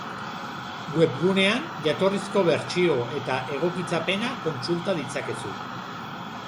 Webgunean, jatorrizko bertsio eta egokitzapena kontsulta ditzakezu.